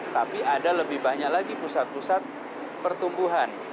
tapi ada lebih banyak lagi pusat pusat pertumbuhan